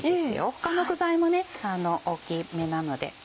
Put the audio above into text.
他の具材も大きめなので。